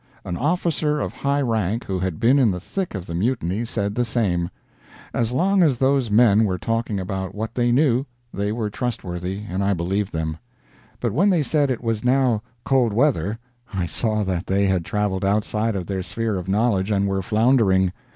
An officer of high rank who had been in the thick of the Mutiny said the same. As long as those men were talking about what they knew, they were trustworthy, and I believed them; but when they said it was now "cold weather," I saw that they had traveled outside of their sphere of knowledge and were floundering.